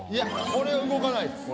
これは動かない。